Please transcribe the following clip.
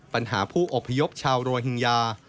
ปัญหาผู้อบพยพชาวโรฮิงญา